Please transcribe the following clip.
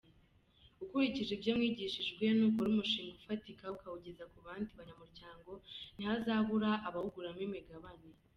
Ukurikije ibyo mwigishijwe, nukora umushinga ufatika ukawugeza ku bandi banyamuryango, ntihazabura abawuguramo imigabane.